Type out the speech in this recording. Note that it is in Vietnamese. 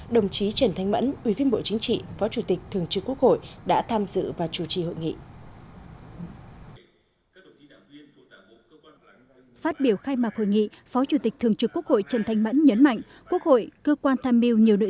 đồng chí trần thanh mẫn ubnd phó chủ tịch thường trực quốc hội đã tham dự và chủ trì hội nghị